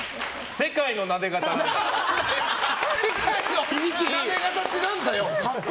世界のなで肩ってなんだよ！